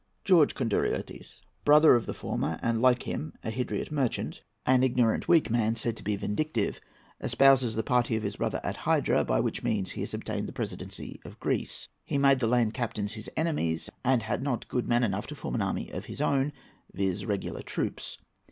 George Konduriottes.—Brother of the former, and, like him a Hydriot merchant; an ignorant weak man; said to be vindictive; espouses the party of his brother at Hydra, by which means he has obtained the Presidency [of Greece]. He made the land captains his enemies, and had not good men enough to form an army of his own, viz., regular troops.